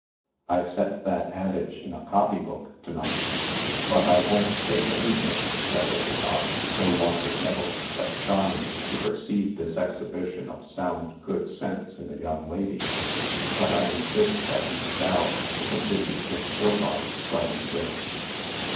"I set that adage in a copy book to night." "But I won't take anything," said Overtop, no longer nettled, but charmed to perceive this exhibition of sound good sense in a young lady. "But I insist that you shall," continued Miss Pillbody, pleasantly.